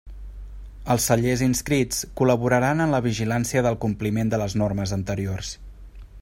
Els cellers inscrits col·laboraran en la vigilància del compliment de les normes anteriors.